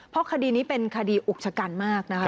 เพราะคดีนี้เป็นคดีอุกชะกันมากนะคะ